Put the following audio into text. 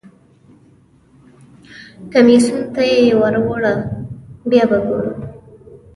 کمیسیون ته یې ور وړه بیا به وګورو.